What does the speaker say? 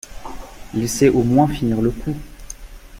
Laissez au moins finir le coup.